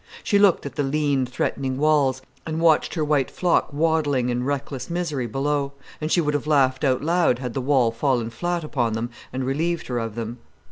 She looked at the lean, threatening walls, and watched her white flock waddling in reckless misery below, and she would have laughed out loud had the wall fallen flat upon them and relieved her of them.